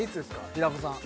平子さん